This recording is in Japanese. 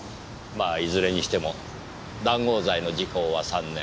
まあいずれにしても談合罪の時効は３年。